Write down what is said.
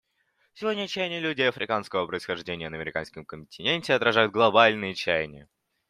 Сегодня чаяния людей африканского происхождения на Американском континенте отражают глобальные чаяния.